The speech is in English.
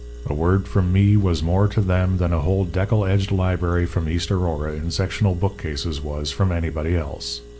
A word from me was more to them than a whole deckle edged library from East Aurora in sectional bookcases was from anybody else.